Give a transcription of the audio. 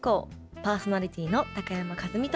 パーソナリティーの高山一実と。